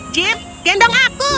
cip gendong aku